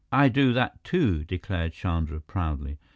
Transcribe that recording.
"I do that too," declared Chandra proudly.